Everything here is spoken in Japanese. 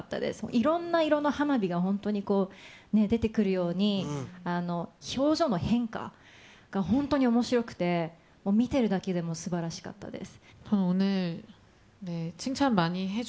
いろんな色のハナビが、本当にこう、出てくるように、表情の変化が本当におもしろくて、見ているだけで、すばらしかったです。